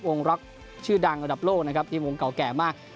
วงรักชื่อดังอันดับโลกนะครับวงเก่าแก่มาก